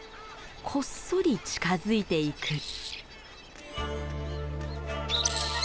こっそり近づいていく。